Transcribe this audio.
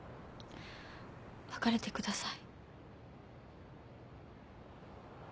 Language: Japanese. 別れてください。